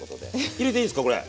入れていいんすかこれ。